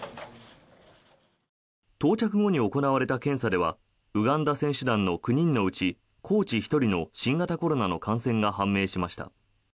到着後に行われた検査ではウガンダ選手団の９人のうちコーチ１人の新型コロナの感染が判明しました。